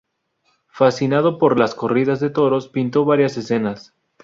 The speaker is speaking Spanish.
Fascinado por las corridas de toros pintó varias escenas.